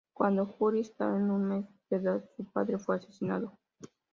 Cuando Guri estaba en un mes de edad, su padre fue asesinado.